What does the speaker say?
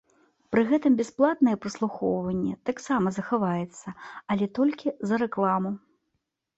Пры гэтым бясплатнае праслухоўванне таксама захаваецца, але толькі за рэкламу.